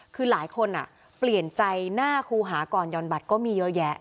คือหลายคนเปลี่ยนใจหน้าครูหาก่อนห่อนบัตรก็มีเยอะแยะ